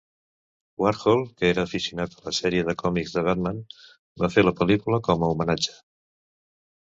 Warhol, que era aficionat a la sèrie de còmics de Batman, va fer la pel·lícula com a homenatge.